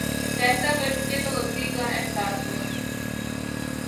فیصلہ کرچکے تو غلطی کا احساس ہوا۔